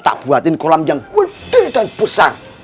tak buatin kolam yang besar